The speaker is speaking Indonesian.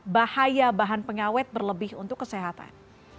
bahaya bahan pengawet berlebih untuk kesehatan